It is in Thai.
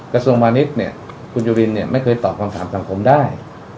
กระทรวงพาณิชย์เนี่ยคุณจุรินเนี่ยไม่เคยตอบคำถามสังคมได้